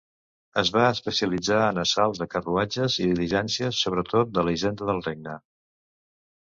Es va especialitzar en assalts a carruatges i diligències, sobretot de la Hisenda del Regne.